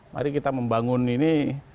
mari kita membangun ini